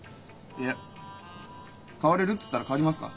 いや代われるっつったら代わりますか？